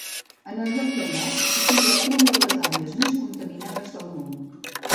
En el lloc del bosc hi queda una de les àrees més contaminades del món.